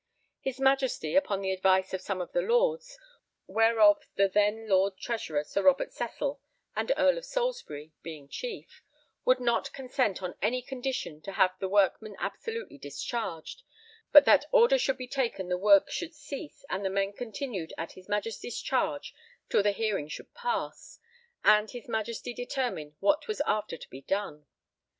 His Majesty, upon the advice of some of the Lords, whereof the then Lord Treasurer, Sir Robert Cecil and Earl of Salisbury being chief, would not consent on any condition to have the workmen absolutely discharged, but that order should be taken the work should cease, and the men continued at his Majesty's charge till the hearing should be past, and his Majesty determine what was after to be done.